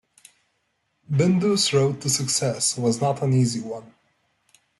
Bindu's road to success was not an easy one.